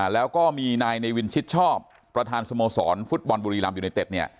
แล้วก็มีนายในวินชิดชอบประธานสโมสรฟุตบอลบุรีรัมยูไนเต็ดเนี่ย